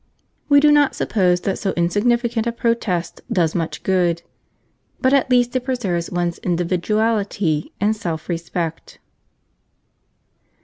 We do not suppose that so insignificant a protest does much good, but at least it preserves one's individuality and self respect.